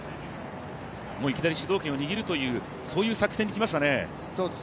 いきなり主導権を握るというそういう作戦にきましたね。